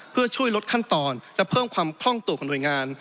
เพื่อช่วยลดขั้นตอนและเพิ่มความคล่องตัวของหน่วยงาน